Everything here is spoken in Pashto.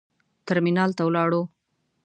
ترمینال ته ولاړو.